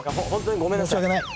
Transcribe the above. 申し訳ない。